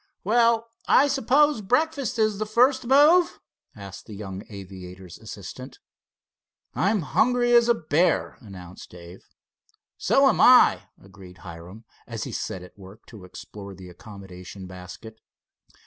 "Well, I suppose breakfast is the first move?" asked the young aviator's assistant. "I'm hungry as a bear," announced Dave. "So am I," agreed Hiram, and he set at work to explore the accommodation, basket.